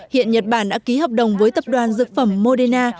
hiện nhật bản đã ký hợp đồng với tập đoàn dược phẩm moderna